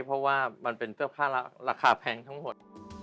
เพราะว่ามันเป็นเสื้อผ้าราคาแพงทั้งหมด